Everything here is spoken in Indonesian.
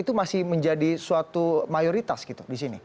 itu masih menjadi suatu mayoritas gitu di sini